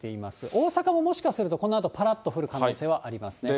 大阪ももしかすると、このあとぱらっと降る可能性はありますね。